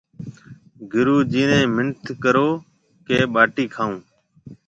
گُرو جِي نَي منٿ ڪرو ڪيَ ٻاٽِي کائون۔